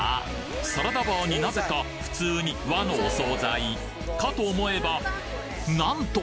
サラダバーになぜか普通に和のお総菜！かと思えばなんと！